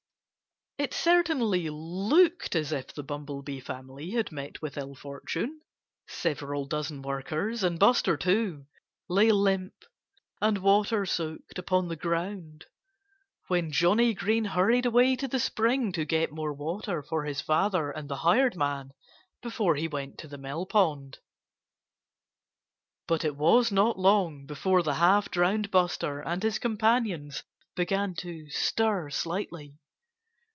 It certainly looked as if the Bumblebee family had met with ill fortune. Several dozen workers and Buster, too lay limp and water soaked upon the ground, when Johnnie Green hurried away to the spring to get more water for his father and the hired man, before he went to the mill pond. But it was not long before the half drowned Buster and his companions began to stir slightly.